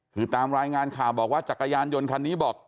คือตามรายงานข่าวบอกว่าจักรยานยนต์คันนี้บอก